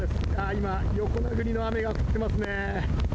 今、横殴りの雨が降っていますね。